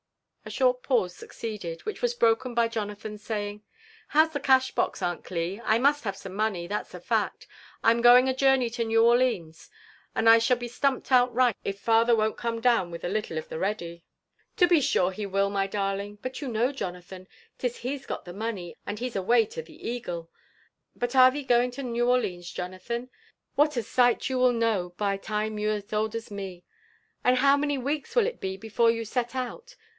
A short pause succeeded, which was broken by Jonathan's saying, " How's the cash box, Aunt Gii? I must have some money, that's a factt Vm going a journey to New Orlines, and I shall be stumped outright if father won't come down with a little of the ready." '* To be sure he will, ray darling ; but you know, Jonathan, 'tis he's got the moneys and he's away to the Eagle. 8ut art thee going to New Orlines, Jonathan? My — t what a sight you will know by time you're as old as me!^^Aod how many weeks will it be afore you s^ft out?